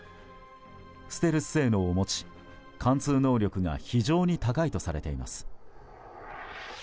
ステルス性能を持ち、貫通能力が非常に高いとされています。